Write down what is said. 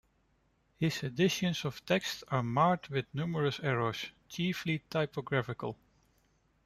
His editions of text are marred by numerous errors, chiefly typographical.